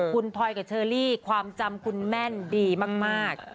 คุณพลอยกับเชอรี่ความจำคุณแม่นดีมาก